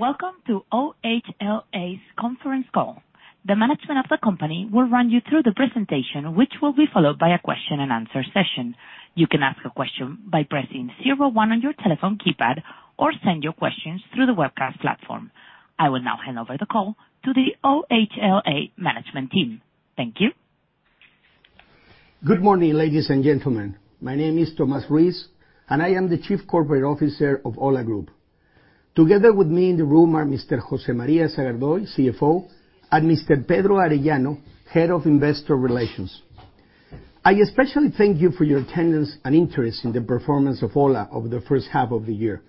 Welcome to OHLA's conference call. The management of the company will run you through the presentation, which will be followed by a question-and-answer session. You can ask a question by pressing zero one on your telephone keypad, or send your questions through the webcast platform. I will now hand over the call to the OHLA management team. Thank you. Good morning, ladies and gentlemen. My name is Tomás Ruiz, and I am the Chief Corporate Officer of OHLA Group. Together with me in the room are Mr. José María Sagardoy, CFO, and Mr. Pedro Arellano, Head of Investor Relations. I especially thank you for your attendance and interest in the performance of OHLA over the first half of the year.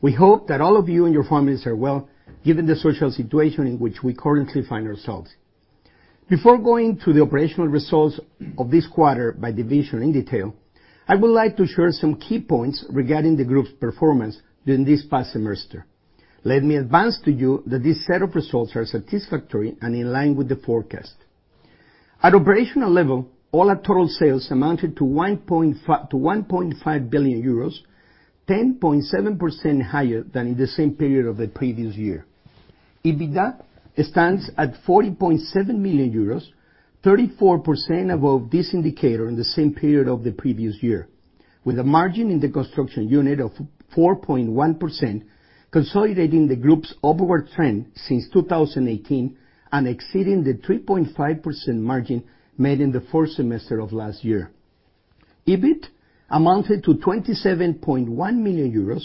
We hope that all of you and your families are well, given the social situation in which we currently find ourselves. Before going to the operational results of this quarter by division in detail, I would like to share some key points regarding the group's performance during this past semester. Let me advance to you that these set of results are satisfactory and in line with the forecast. At operational level, all our total sales amounted to 1.5 billion euros, 10.7% higher than in the same period of the previous year. EBITDA stands at 40.7 million euros, 34% above this indicator in the same period of the previous year, with a margin in the construction unit of 4.1%, consolidating the group's upward trend since 2018, and exceeding the 3.5% margin made in the fourth semester of last year. EBIT amounted to 27.1 million euros,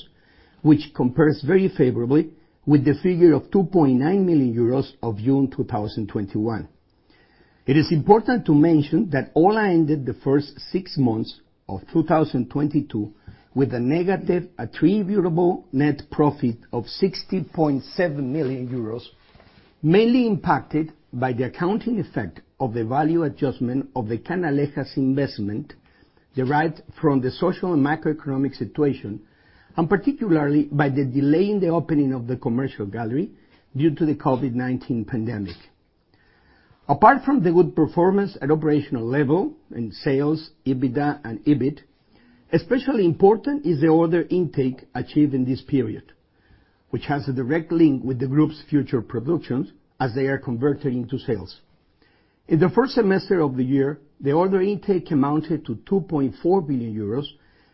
which compares very favorably with the figure of 2.9 million euros of June 2021. It is important to mention that OHLA ended the first six months of 2022 with a negative attributable net profit of 60.7 million euros, mainly impacted by the accounting effect of the value adjustment of the Canalejas investment derived from the social and macroeconomic situation, and particularly by the delay in the opening of the commercial gallery due to the COVID-19 pandemic. Apart from the good performance at operational level in sales, EBITDA, and EBIT, especially important is the order intake achieved in this period, which has a direct link with the group's future productions as they are converted into sales. In the first semester of the year, the order intake amounted to 2.4 billion euros,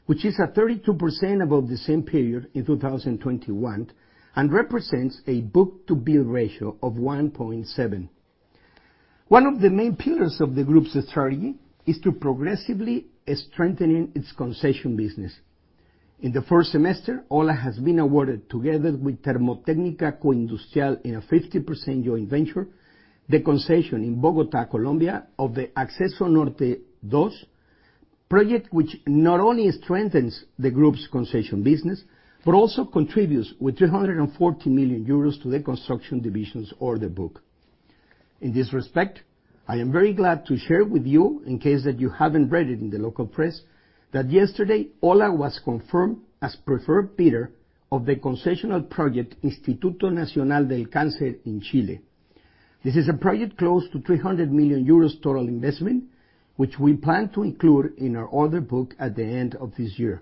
which is at 32% above the same period in 2021, and represents a book-to-bill ratio of 1.7. One of the main pillars of the group's strategy is to progressively strengthening its concession business. In the first semester, OHLA has been awarded, together with Termotécnica Coindustrial in a 50% joint venture, the concession in Bogotá, Colombia of the Acceso Norte dos project, which not only strengthens the group's concession business, but also contributes with 240 million euros to the construction division's order book. In this respect, I am very glad to share with you, in case that you haven't read it in the local press, that yesterday, OHLA was confirmed as preferred bidder of the concession project Instituto Nacional del Cáncer in Chile. This is a project close to 300 million euros total investment, which we plan to include in our order book at the end of this year.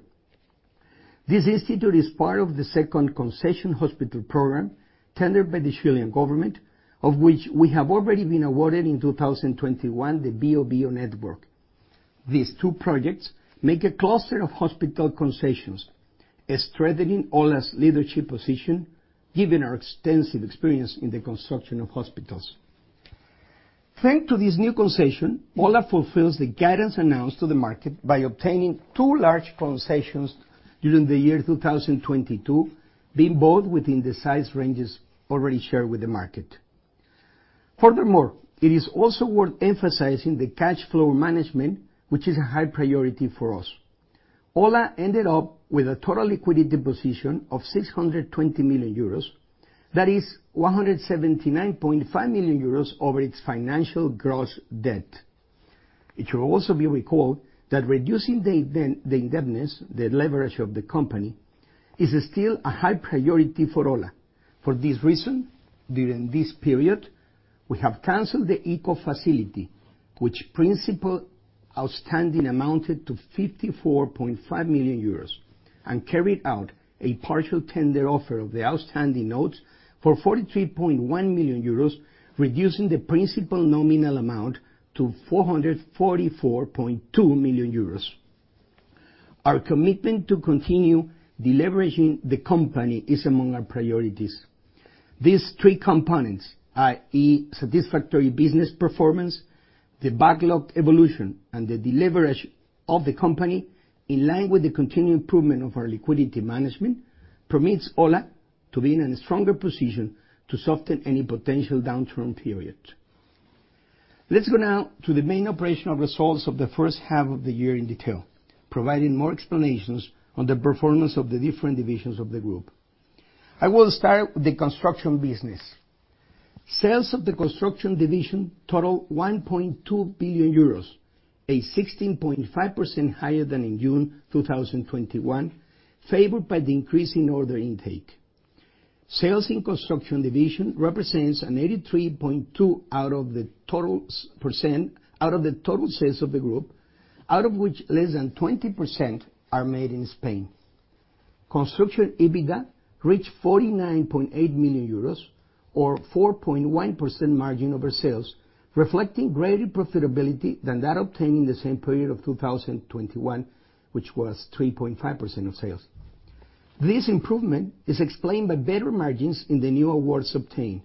This institute is part of the second concession hospital program tendered by the Chilean government, of which we have already been awarded in 2021, the Biobío network. These two projects make a cluster of hospital concessions, strengthening OHLA's leadership position, given our extensive experience in the construction of hospitals. Thanks to this new concession, OHLA fulfills the guidance announced to the market by obtaining two large concessions during the year 2022, being both within the size ranges already shared with the market. Furthermore, it is also worth emphasizing the cash flow management, which is a high priority for us. OHLA ended up with a total liquidity position of 620 million euros. That is 179.5 million euros over its financial gross debt. It should also be recalled that reducing the indebtedness, the leverage of the company, is still a high priority for OHLA. For this reason, during this period, we have canceled the ICO Facility, which principal outstanding amounted to 54.5 million euros, and carried out a partial tender offer of the outstanding notes for 43.1 million euros, reducing the principal nominal amount to 444.2 million euros. Our commitment to continue deleveraging the company is among our priorities. These three components, i.e., satisfactory business performance, the backlog evolution, and the deleverage of the company, in line with the continued improvement of our liquidity management, permits OHLA to be in a stronger position to soften any potential downturn period. Let's go now to the main operational results of the first half of the year in detail, providing more explanations on the performance of the different divisions of the group. I will start with the construction business. Sales of the construction division total 1.2 billion euros, 16.5% higher than in June 2021, favored by the increase in order intake. Sales in construction division represents 83.2% of the total sales of the group. Out of which less than 20% are made in Spain. Construction EBITDA reached 49.8 million euros, or 4.1% margin over sales, reflecting greater profitability than that obtained in the same period of 2021, which was 3.5% of sales. This improvement is explained by better margins in the new awards obtained.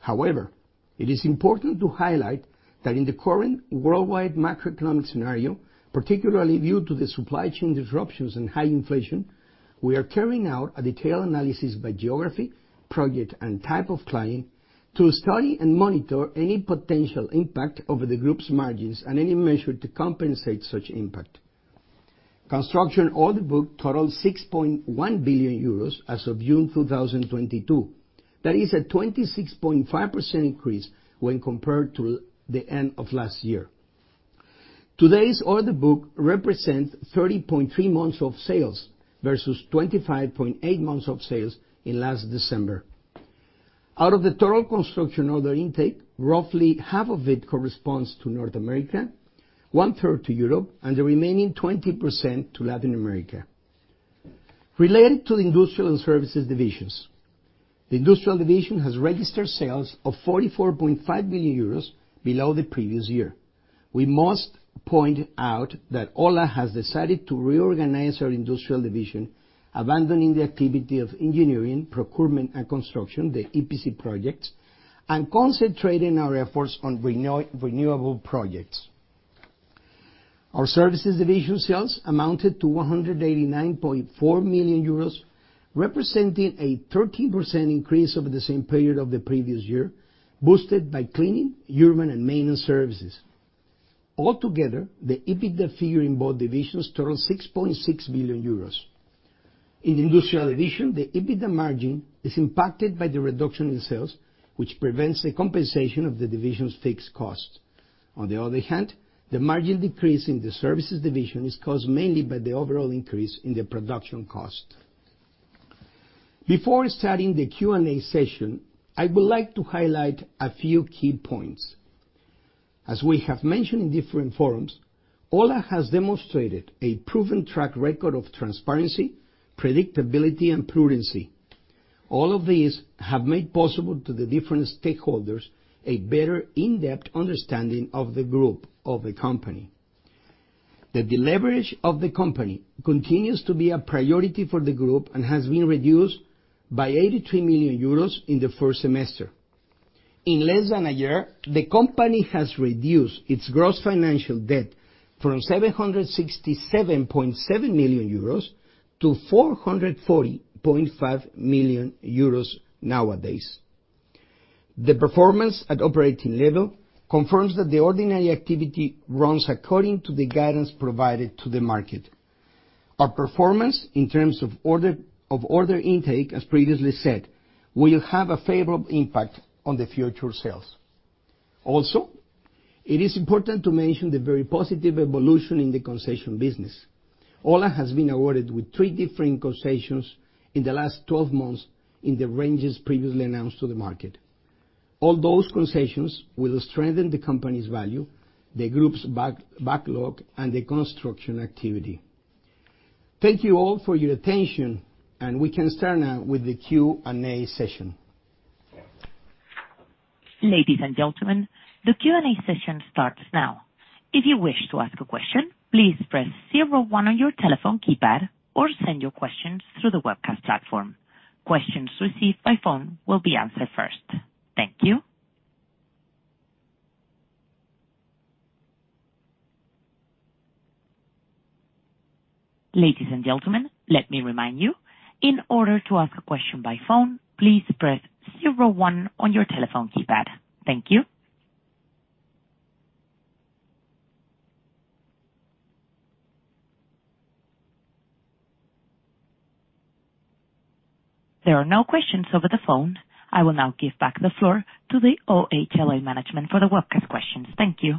However, it is important to highlight that in the current worldwide macroeconomic scenario, particularly due to the supply chain disruptions and high inflation, we are carrying out a detailed analysis by geography, project, and type of client to study and monitor any potential impact over the group's margins and any measure to compensate such impact. Construction order book totaled 6.1 billion euros as of June 2022. That is a 26.5% increase when compared to the end of last year. Today's order book represents 30.3 months of sales versus 25.8 months of sales in last December. Out of the total construction order intake, roughly half of it corresponds to North America, 1/3 to Europe, and the remaining 20% to Latin America. Related to the industrial and services divisions. The industrial division has registered sales of 44.5 billion euros below the previous year. We must point out that OHLA has decided to reorganize our industrial division, abandoning the activity of engineering, procurement, and construction, the EPC projects, and concentrating our efforts on renewable projects. Our services division sales amounted to 189.4 million euros, representing a 13% increase over the same period of the previous year, boosted by cleaning, urban and maintenance services. Altogether, the EBITDA figure in both divisions totals 6.6 billion euros. In industrial division, the EBITDA margin is impacted by the reduction in sales, which prevents the compensation of the division's fixed costs. On the other hand, the margin decrease in the services division is caused mainly by the overall increase in the production cost. Before starting the Q&A session, I would like to highlight a few key points. As we have mentioned in different forums, OHLA has demonstrated a proven track record of transparency, predictability, and prudence. All of these have made possible to the different stakeholders a better in-depth understanding of the group, of the company. The deleverage of the company continues to be a priority for the group and has been reduced by 83 million euros in the first semester. In less than a year, the company has reduced its gross financial debt from 767.7 million euros to 440.5 million nowadays. The performance at operating level confirms that the ordinary activity runs according to the guidance provided to the market. Our performance in terms of order, of order intake, as previously said, will have a favorable impact on the future sales. Also, it is important to mention the very positive evolution in the concession business. OHLA has been awarded with three different concessions in the last 12 months in the ranges previously announced to the market. All those concessions will strengthen the company's value, the group's backlog, and the construction activity. Thank you all for your attention, and we can start now with the Q&A session. Ladies and gentlemen, the Q&A session starts now. If you wish to ask a question, please press zero one on your telephone keypad or send your questions through the webcast platform. Questions received by phone will be answered first. Thank you. Ladies and gentlemen, let me remind you, in order to ask a question by phone, please press zero one on your telephone keypad. Thank you. There are no questions over the phone. I will now give back the floor to the OHLA management for the webcast questions. Thank you.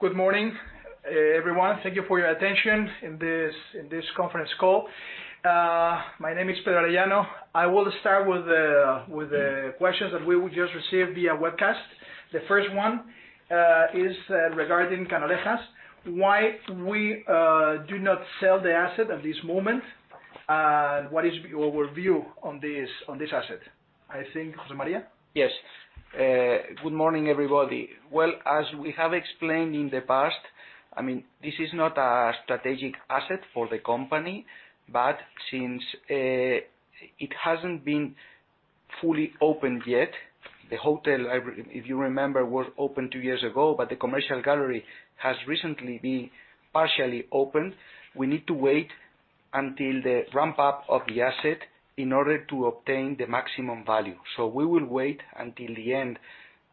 Good morning, everyone. Thank you for your attention in this conference call. My name is Pedro Arellano. I will start with the questions that we would just receive via webcast. The first one is regarding Canalejas. Why we do not sell the asset at this moment? What is your view on this asset? I think, José María? Yes. Good morning, everybody. Well, as we have explained in the past, I mean, this is not a strategic asset for the company, but since it hasn't been fully opened yet, the hotel, if you remember, was opened two years ago, but the commercial gallery has recently been partially opened. We need to wait until the ramp-up of the asset in order to obtain the maximum value. We will wait until the end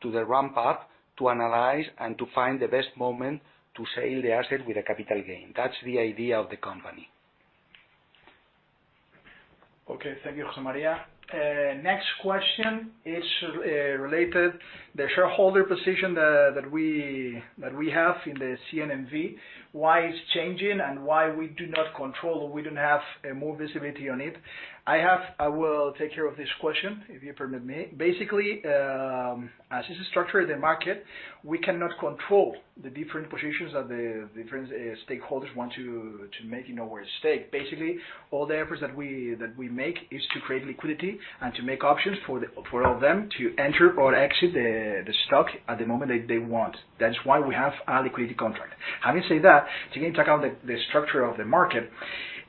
of the ramp-up to analyze and to find the best moment to sell the asset with a capital gain. That's the idea of the company. Okay. Thank you, José María. Next question is related to the shareholder position that we have in the CNMV. Why it's changing and why we do not Control, we don't have more visibility on it. I will take care of this question, if you permit me. Basically, as it is structured in the market, we cannot control the different positions that the different stakeholders want to make in our stake. Basically, all the efforts that we make is to create liquidity and to make options for all of them to enter or exit the stock at the moment that they want. That's why we have a liquidity contract. Having said that, taking into account the structure of the market,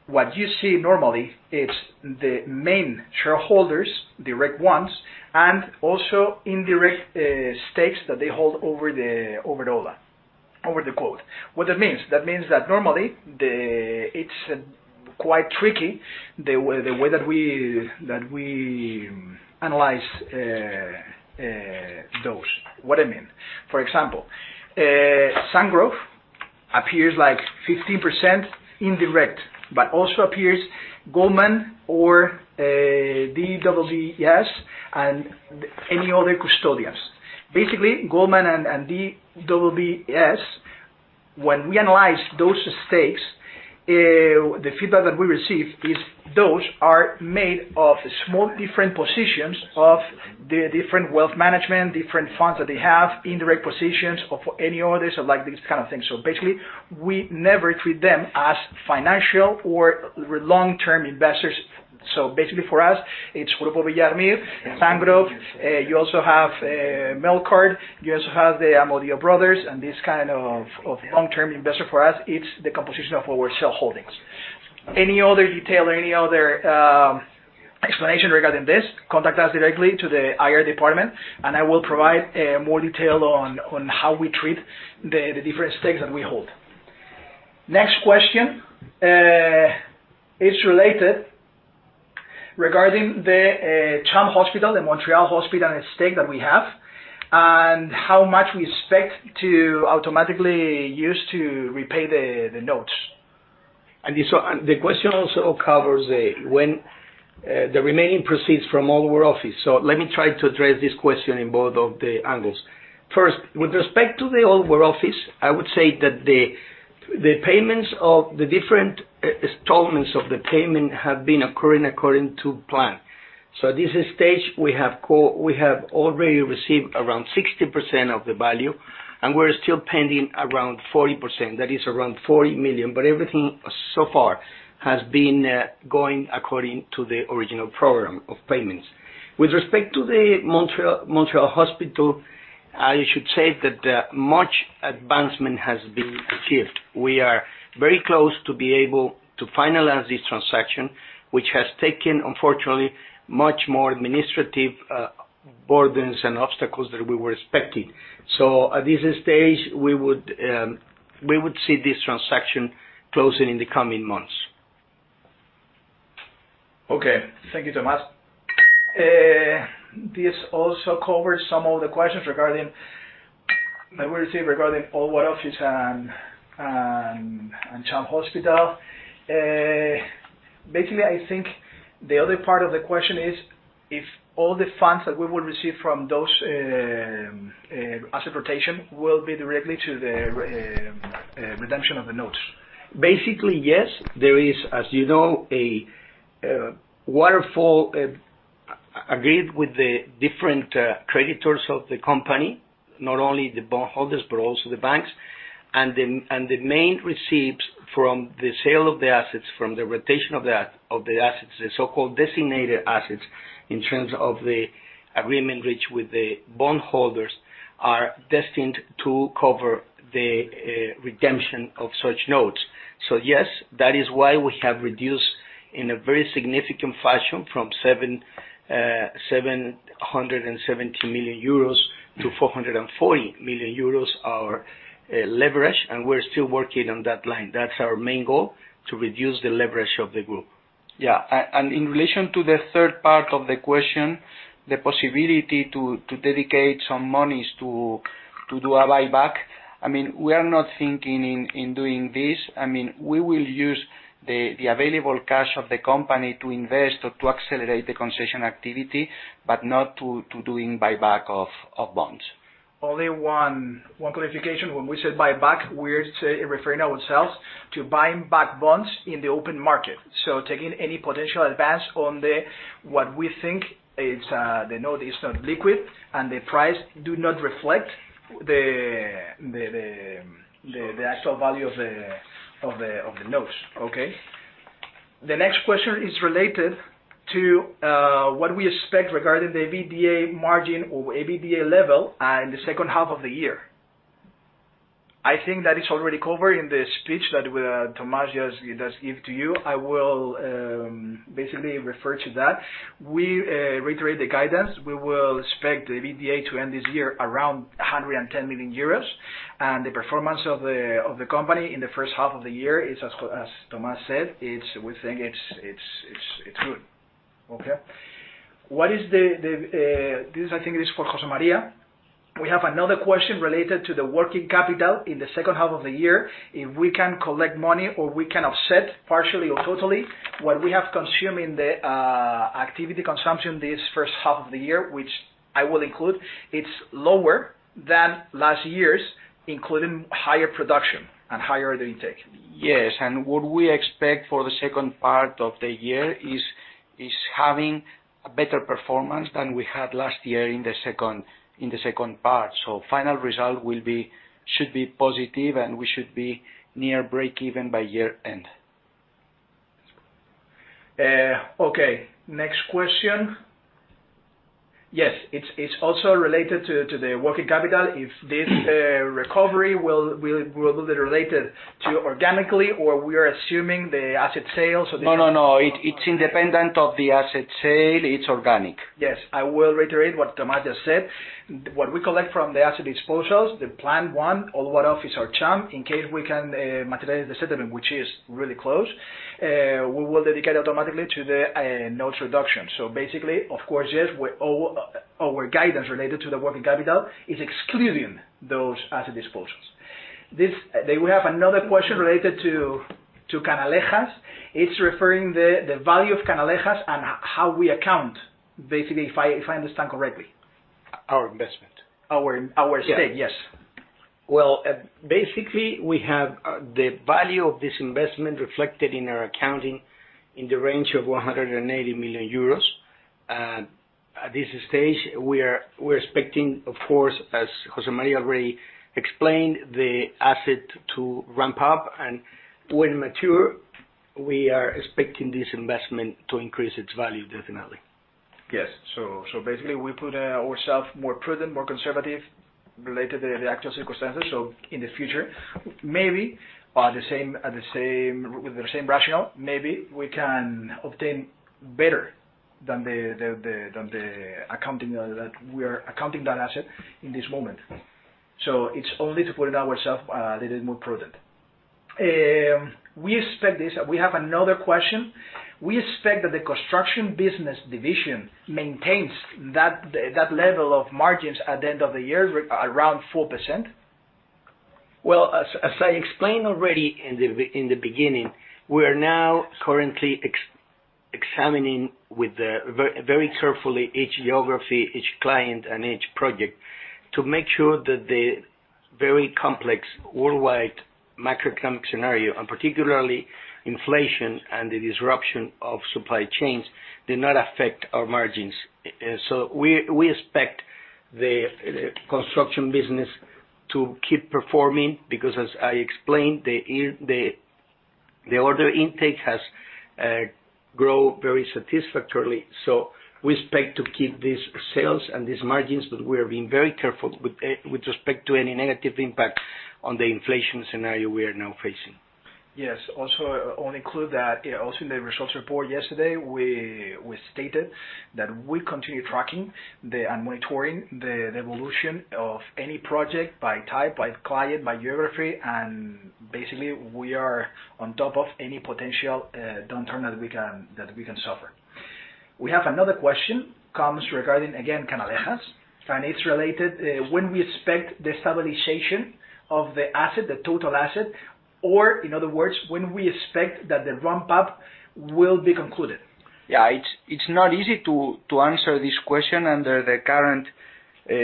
what you see normally it's the main shareholders, direct ones, and also indirect stakes that they hold over the quote. What that means? That means that normally the It's quite tricky, the way that we analyze those. What I mean? For example, Sungrow appears like 15% indirect, but also appears Goldman or DWS and any other custodians. Basically, Goldman and DWS, when we analyze those stakes, the feedback that we receive is those are made of small different positions of the different wealth management, different funds that they have, indirect positions or for any others or like these kind of things. Basically, we never treat them as financial or long-term investors. For us, it's Grupo Villar Mir, Sungrow, you also have Melqart, you also have the Amodio brothers, and this kind of long-term investor. For us, it's the composition of our shareholdings. Any other detail or explanation regarding this, contact us directly to the IR department, and I will provide more detail on how we treat the different stakes that we hold. Next question is related regarding the CHUM hospital, the Montreal hospital and the stake that we have, and how much we expect to automatically use to repay the notes. The question also covers when the remaining proceeds from Old War Office. Let me try to address this question in both of the angles. First, with respect to the Old War Office, I would say that the payments of the different installments of the payment have been occurring according to plan. At this stage, we have already received around 60% of the value, and we're still pending around 40%. That is around 40 million. Everything so far has been going according to the original program of payments. With respect to the Montreal hospital, I should say that much advancement has been achieved. We are very close to be able to finalize this transaction, which has taken, unfortunately, much more administrative burdens and obstacles than we were expecting. At this stage, we would see this transaction closing in the coming months. Okay. Thank you, Tomás. This also covers some of the questions that we received regarding Old War Office and CHUM Hospital. Basically, I think the other part of the question is if all the funds that we will receive from those asset rotation will be directly to the redemption of the notes. Basically, yes. There is, as you know, a waterfall agreed with the different creditors of the company, not only the bondholders, but also the banks. The main receipts from the sale of the assets, from the rotation of the assets, the so called designated assets, in terms of the agreement reached with the bondholders, are destined to cover the redemption of such notes. Yes, that is why we have reduced in a very significant fashion from 770 million-440 million euros our leverage, and we're still working on that line. That's our main goal, to reduce the leverage of the group. In relation to the third part of the question, the possibility to dedicate some monies to do a buyback. I mean, we are not thinking in doing this. I mean, we will use the available cash of the company to invest or to accelerate the concession activity, but not to doing buyback of bonds. Only one clarification. When we say buyback, we're referring ourselves to buying back bonds in the open market. Taking any potential advance on the, what we think is, the note is not liquid and the price do not reflect the actual value of the notes. Okay? The next question is related to what we expect regarding the EBITDA margin or EBITDA level in the second half of the year. I think that is already covered in the speech that Tomás just give to you. I will basically refer to that. We reiterate the guidance. We will expect the EBITDA to end this year around 110 million euros. The performance of the company in the first half of the year is, as Tomás said, we think it's good. Okay. This, I think, is for José María. We have another question related to the working capital in the second half of the year, if we can collect money or we can offset, partially or totally, what we have consumed in the activity consumption this first half of the year, which I will include. It's lower than last year's, including higher production and higher order intake. Yes, what we expect for the second part of the year is having a better performance than we had last year in the second part. Final result should be positive, and we should be near break-even by year-end. Okay. Next question. Yes, it's also related to the working capital. If this recovery will be related to organically or we are assuming the asset sale. No. It's independent of the asset sale. It's organic. Yes. I will reiterate what Tomás just said. What we collect from the asset disposals, the planned one, Old War Office is our chance, in case we can materialize the settlement, which is really close. We will dedicate automatically to the net debt reduction. Basically, of course, yes, our guidance related to the working capital is excluding those asset disposals. We have another question related to Canalejas. It's referring to the value of Canalejas and how we account, basically, if I understand correctly. Our investment. Our stake. Yes. Yes. Well, basically, we have the value of this investment reflected in our accounting in the range of 180 million euros. At this stage, we're expecting, of course, as José María already explained, the asset to ramp up, and when mature, we are expecting this investment to increase its value, definitely. Yes. Basically we put ourselves more prudent, more conservative related to the actual circumstances. In the future, maybe with the same rationale, maybe we can obtain better than the accounting that we are accounting that asset in this moment. It's only to put ourselves a little more prudent. We expect this. We have another question. We expect that the construction business division maintains that level of margins at the end of the year, around 4%. As I explained already in the beginning, we are now currently examining very carefully each geography, each client, and each project to make sure that the very complex worldwide macroeconomic scenario, and particularly inflation and the disruption of supply chains, do not affect our margins. We expect the construction business to keep performing because, as I explained, the order intake has grow very satisfactorily. We expect to keep these sales and these margins, but we are being very careful with respect to any negative impact on the inflation scenario we are now facing. Yes. Also, I want to include that also in the results report yesterday, we stated that we continue tracking and monitoring the evolution of any project by type, by client, by geography, and basically, we are on top of any potential downturn that we can suffer. We have another question comes regarding, again, Canalejas, and it's related, when we expect the stabilization of the asset, the total asset, or in other words, when we expect that the ramp-up will be concluded. Yeah. It's not easy to answer this question under the current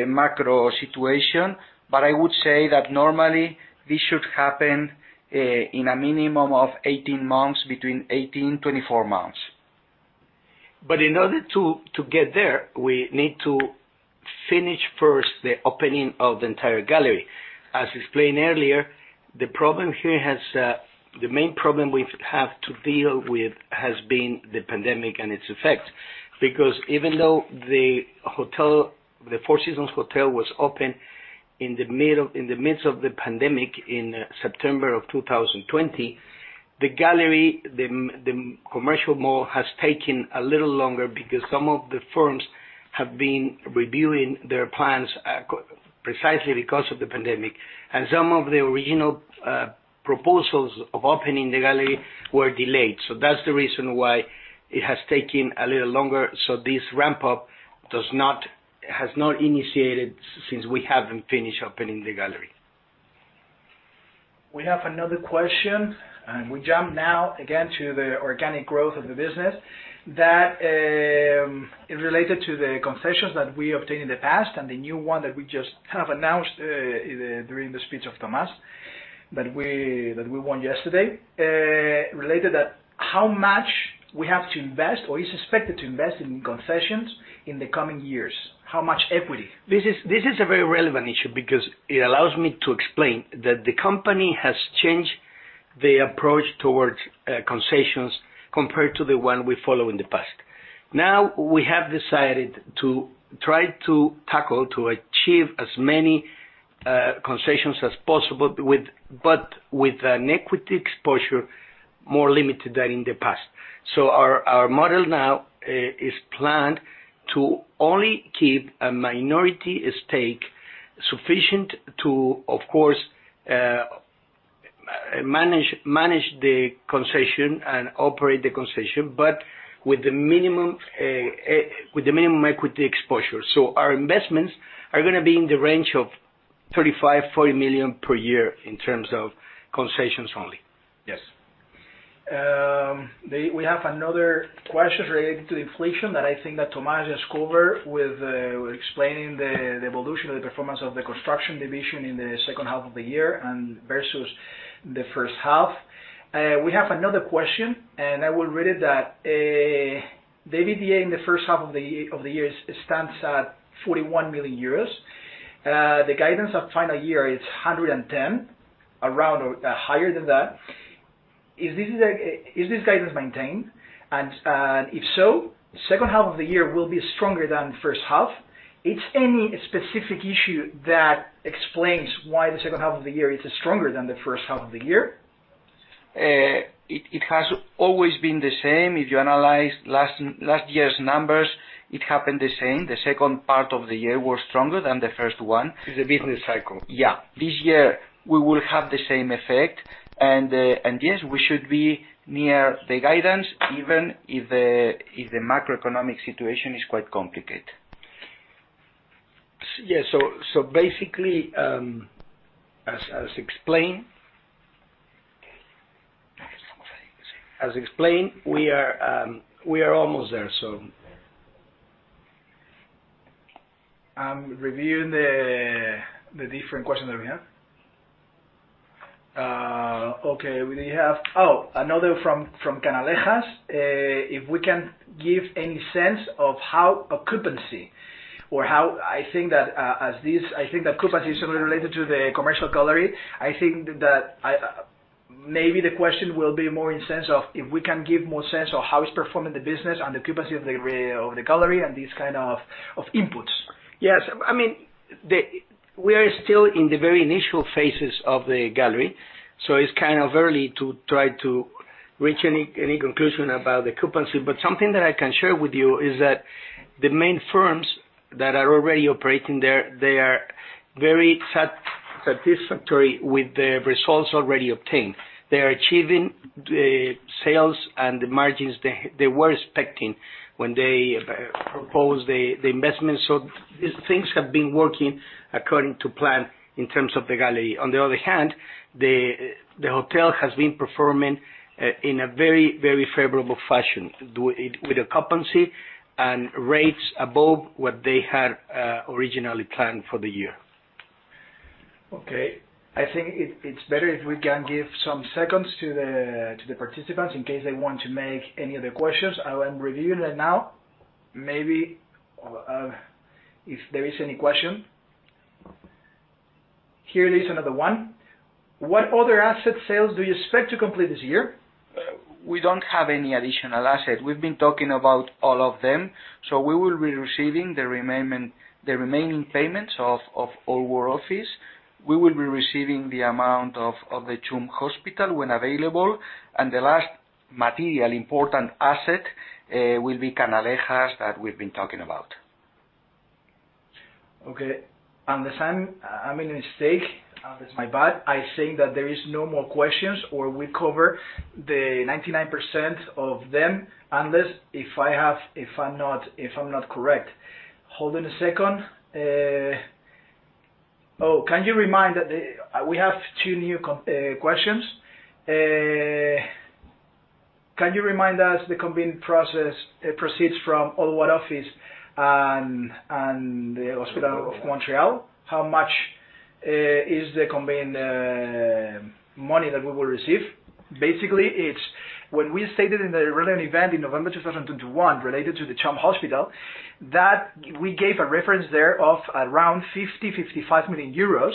macro situation, but I would say that normally this should happen in a minimum of 18 months, between 18 and 24 months. In order to get there, we need to finish first the opening of the entire gallery. As explained earlier, the main problem we have to deal with has been the pandemic and its effect. Because even though the Four Seasons Hotel was open in the midst of the pandemic in September of 2020, the commercial mall has taken a little longer because some of the firms have been reviewing their plans precisely because of the pandemic, and some of the original proposals of opening the gallery were delayed. That's the reason why it has taken a little longer. This ramp-up has not initiated since we haven't finished opening the gallery. We have another question, and we jump now again to the organic growth of the business, that is related to the concessions that we obtained in the past and the new one that we just have announced during the speech of Tomás, that we won yesterday. Related to how much we have to invest or is expected to invest in concessions in the coming years. How much equity? This is a very relevant issue because it allows me to explain that the company has changed the approach towards concessions compared to the one we follow in the past. Now, we have decided to try to tackle to achieve as many concessions as possible but with an equity exposure more limited than in the past. Our model now is planned to only keep a minority stake sufficient to, of course, manage the concession and operate the concession, but with the minimum equity exposure. Our investments are gonna be in the range of 35 million-40 million per year in terms of concessions only. Yes. We have another question related to inflation that I think Tomás just covered with explaining the evolution of the performance of the construction division in the second half of the year and versus the first half. We have another question, and I will read it. The EBITDA in the first half of the year stands at 41 million euros. The guidance for the full-year is 110, around or higher than that. Is this guidance maintained? If so, the second half of the year will be stronger than the first half. Is there any specific issue that explains why the second half of the year is stronger than the first half of the year? It has always been the same. If you analyze last year's numbers, it happened the same. The second part of the year was stronger than the first one. It's a business cycle. Yeah. This year, we will have the same effect. Yes, we should be near the guidance, even if the macroeconomic situation is quite complicated. Yes. Basically, as explained. As explained, we are almost there, so. I'm reviewing the different questions that we have. Okay, we have. Oh, another from Canalejas. If we can give any sense of how occupancy. I think that as this, I think that occupancy is only related to the commercial gallery. I think that maybe the question will be more in sense of if we can give more sense of how it's performing the business and the occupancy of the gallery and these kind of inputs. Yes. I mean, we are still in the very initial phases of the gallery, so it's kind of early to try to reach any conclusion about the occupancy. Something that I can share with you is that the main firms that are already operating there, they are very satisfactory with the results already obtained. They are achieving the sales and the margins they were expecting when they proposed the investment. These things have been working according to plan in terms of the gallery. On the other hand, the hotel has been performing in a very, very favorable fashion, with occupancy and rates above what they had originally planned for the year. Okay. I think it's better if we can give some seconds to the participants in case they want to make any other questions. I am reviewing that now. Maybe, if there is any question. Here is another one. What other asset sales do you expect to complete this year? We don't have any additional asset. We've been talking about all of them. We will be receiving the remaining payments of Old War Office. We will be receiving the amount of the CHUM Hospital when available. The last material important asset will be Canalejas that we've been talking about. Okay. Understood, I made a mistake. That's my bad. I think that there is no more questions or we cover the 99% of them. Unless if I'm not correct. Hold on a second. Oh, we have two new questions. Can you remind us the combined proceeds from Old War Office and the Centre hospitalier de l'Université de Montréal? How much is the combined money that we will receive? Basically, it's when we stated in the relevant event in November 2021 related to the CHUM Hospital, that we gave a reference there of around 50 million-55 million euros,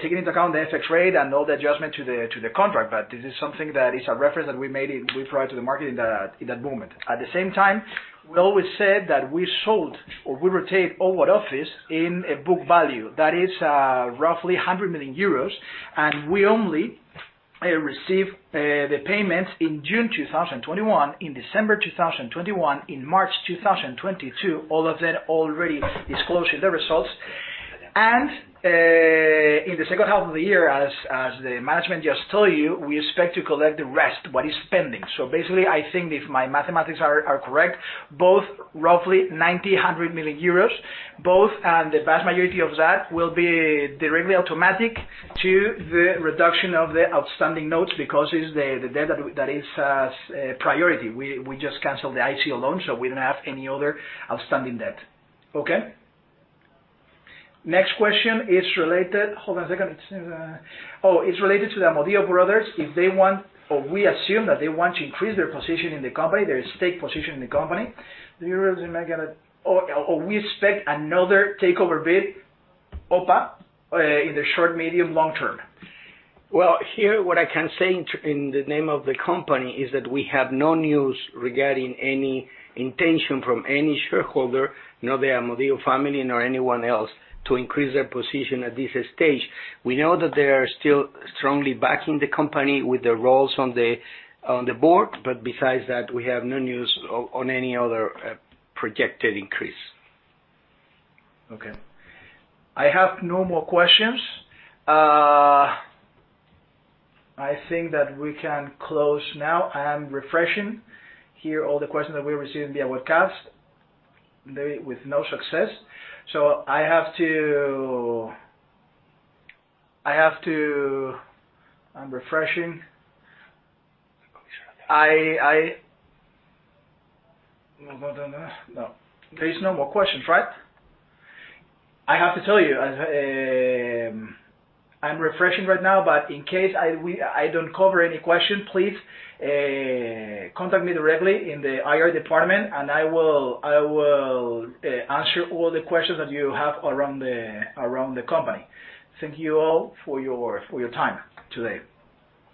taking into account the FX rate and all the adjustment to the contract. This is something that is a reference that we brought to the market in that moment. At the same time, we always said that we sold or we retained Old War Office in a book value. That is, roughly 100 million euros, and we only received the payments in June 2021, in December 2021, in March 2022. All of that already disclosed the results. In the second half of the year, as the management just told you, we expect to collect the rest, what is pending. Basically, I think if my mathematics are correct, about 90 million-100 million euros, and the vast majority of that will be directly automatically to the reduction of the outstanding notes because it's the debt that is the priority. We just canceled the ICO loan, so we don't have any other outstanding debt. Okay. Next question is related. Hold on a second. Oh, it's related to the Amodio brothers. If they want or we assume that they want to increase their position in the company, their stake position in the company. Do we expect another takeover bid, OPA, in the short, medium, long term? Well, here, what I can say in the name of the company is that we have no news regarding any intention from any shareholder, nor the Amodio family, nor anyone else, to increase their position at this stage. We know that they are still strongly backing the company with their roles on the board, but besides that, we have no news on any other projected increase. Okay. I have no more questions. I think that we can close now. I am refreshing here all the questions that we received via webcast, maybe with no success. I'm refreshing. No. There is no more questions, right? I have to tell you, I'm refreshing right now, but in case I don't cover any question, please, contact me directly in the IR department, and I will answer all the questions that you have around the company. Thank you all for your time today.